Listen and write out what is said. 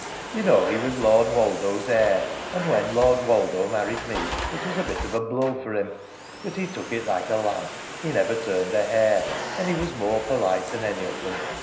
You know he was Lord Woldo's heir. And when Lord Woldo married me it was a bit of a blow for him! But he took it like a lamb. He never turned a hair, and he was more polite than any of them.